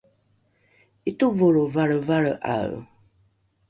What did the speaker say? ’itovolro valrevalre’ae